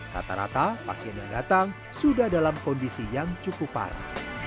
rata rata pasien yang datang sudah dalam kondisi yang cukup parah